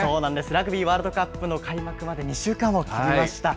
ラグビーワールドカップの開幕まで２週間を切りました。